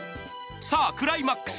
さぁクライマックス。